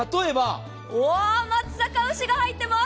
松阪牛が入ってます。